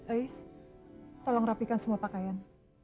ais tolong rapikan semua pakaian